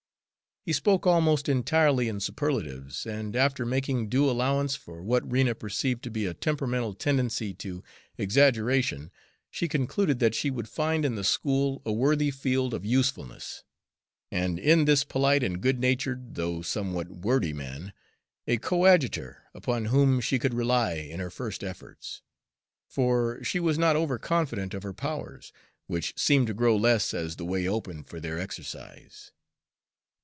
He spoke almost entirely in superlatives, and, after making due allowance for what Rena perceived to be a temperamental tendency to exaggeration, she concluded that she would find in the school a worthy field of usefulness, and in this polite and good natured though somewhat wordy man a coadjutor upon whom she could rely in her first efforts; for she was not over confident of her powers, which seemed to grow less as the way opened for their exercise.